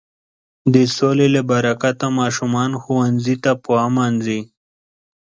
د سولې له برکته ماشومان ښوونځي ته په امن ځي.